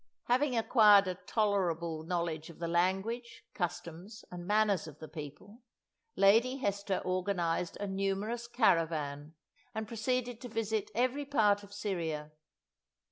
Having acquired a tolerable knowledge of the language, customs, and manners of the people, Lady Hester organized a numerous caravan, and proceeded to visit every part of Syria.